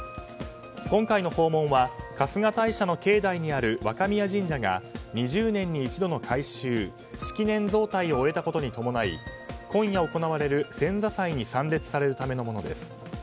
今回の訪問は春日大社の境内にある若宮神社が、２０年に一度の改修式年造替を終えたことに伴い今夜行われる遷座際に参列されるためのものです。